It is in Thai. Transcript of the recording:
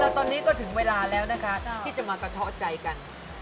ตอนนี้ก็ถึงเวลาที่จะมากะท้อใจกัน